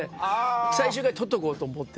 最終回取っとこうと思って。